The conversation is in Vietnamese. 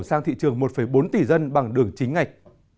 sang thị trường một bốn tỷ dân bằng đường chính ngạch